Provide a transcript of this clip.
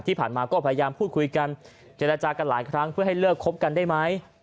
ที่ผ่านมาก็พยายามพูดคุยกันเจรจากันหลายครั้งเพื่อให้เลิกคบกันได้ไหม